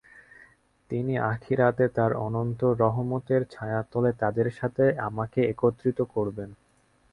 তিনি আখিরাতে তার অনন্ত রহমতের ছায়াতলে তাদের সাথে আমাকে একত্রিত করবেন।